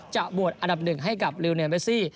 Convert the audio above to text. จะวัดอันดับหนึ่งให้กับเรียวเนื้อเมซี่